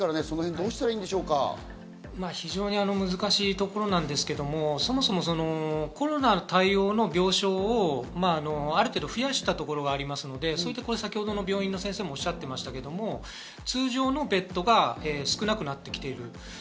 その辺どうした非常に難しいところですけど、そもそもコロナ対応の病床をある程度増やしたところがありますので、先ほどの病院の先生もおっしゃってましたけど、通常のベッドが少なくなってきている。